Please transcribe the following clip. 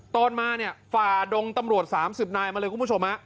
ตอนมาเนี่ยฝ่าดงตำรวจ๓๐นายมาเลยคุณผู้ชม